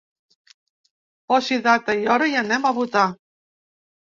Posi data i hora i anem a votar.